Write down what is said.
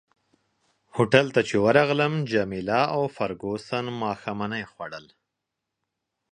هوټل ته چي ورغلم جميله او فرګوسن ماښامنۍ خوړل.